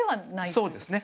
そうですね。